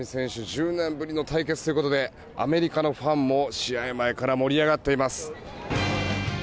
１０年ぶりの対決ということでアメリカのファンも試合前から盛り上がっています。